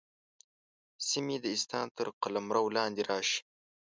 سیمې د اسلام تر قلمرو لاندې راشي.